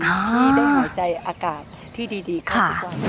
ที่ได้หายใจอากาศที่ดีค่ะ